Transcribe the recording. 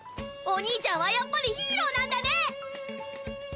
お兄ちゃんはやっぱりヒーローなんだね！